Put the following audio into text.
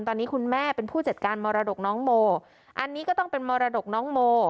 ตอนนี้คุณแม่เป็นผู้จัดการมรดกน้องโมอันนี้ก็ต้องเป็นมรดกน้องโม